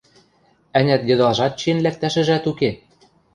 Ӓнят, йыдалжат чиэн лӓктӓшӹжӓт уке?